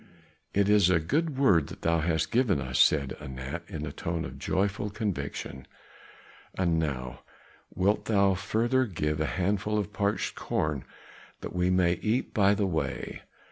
"It is a good word that thou hast given to us," said Anat in a tone of joyful conviction; "and now wilt thou further give a handful of parched corn that we may eat by the way.